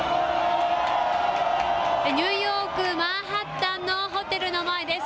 ニューヨーク、マンハッタンのホテルの前です。